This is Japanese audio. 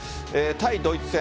対ドイツ戦。